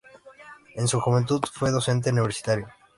En su juventud fue docente universitario.